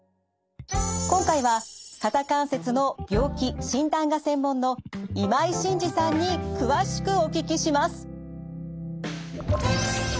今回は肩関節の病気・診断が専門の今井晋二さんに詳しくお聞きします。